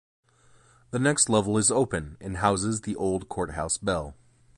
The next level is open and houses the Old Courthouse bell.